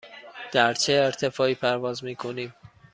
در چه ارتفاعی پرواز می کنیم؟